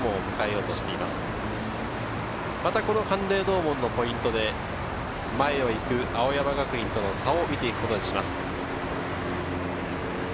嶺洞門のポイントで前を行く青山学院との差を見ていくことにします。